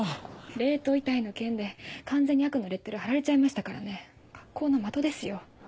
冷凍遺体の件で完全に悪のレッテル貼られちゃいましたからね格好の的ですよ。